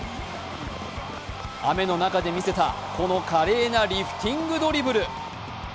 雨の中で見せた、この華麗なリフティングドリブル。